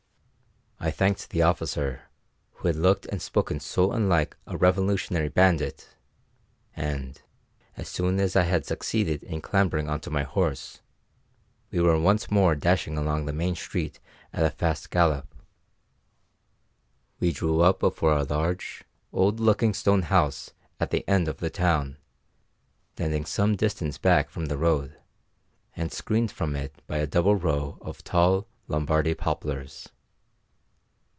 I thanked the officer, who had looked and spoken so unlike a revolutionary bandit, and, as soon as I had succeeded in clambering on to my horse, we were once more dashing along the main street at a fast gallop. We drew up before a large, old looking stone house at the end of the town, standing some distance back from the road, and screened from it by a double row of tall Lombardy poplars.